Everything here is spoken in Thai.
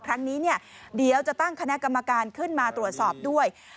ครั้งนี้เดี๋ยวจะตั้งคณะกรรมการขึ้นมาตรวจสอบด้วย